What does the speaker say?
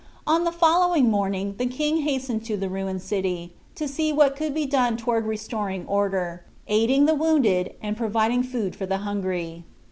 On the following morning the king hastened to the ruined city, to see what could be done toward restoring order, aiding the wounded, and providing food for the hungry.